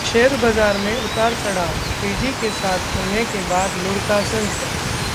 share बाजार में उतार-चढ़ाव, तेजी के साथ खुलने के बाद लुढ़का सेसेंक्स